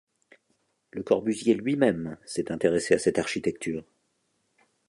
Le Corbusier lui-même s'est intéressé à cette architecture.